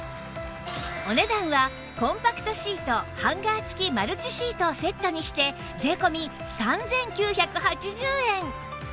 お値段はコンパクトシートハンガー付きマルチシートをセットにして税込３９８０円